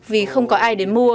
vì không có ai đến mumbai